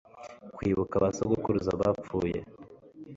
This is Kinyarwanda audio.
Kwibuka ba sogokuruza bapfuye